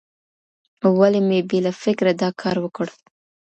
ولي مې بې له فکره دا کار وکړ؟